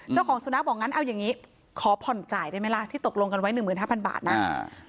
เจ้าของสุนัขบอกงั้นเอาอย่างงี้ขอผ่อนจ่ายได้ไหมล่ะที่ตกลงกันไว้๑๕๐๐๐บาทนั้น